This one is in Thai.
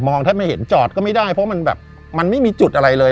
แทบไม่เห็นจอดก็ไม่ได้เพราะมันแบบมันไม่มีจุดอะไรเลย